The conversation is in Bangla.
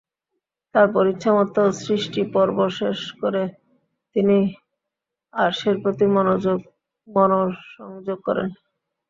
তারপর ইচ্ছা মত সৃষ্টি পর্ব শেষ করে তিনি আরশের প্রতি মনোসংযোগ করেন।